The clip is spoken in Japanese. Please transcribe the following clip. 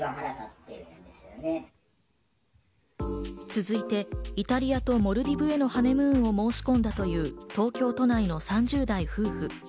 続いてイタリアとモルディブへのハネムーンを申し込んだという東京都内の３０代夫婦。